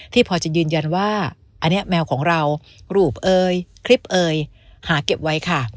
พอจะยืนยันว่าอันนี้แมวของเรารูปเอ่ยคลิปเอ่ยหาเก็บไว้ค่ะ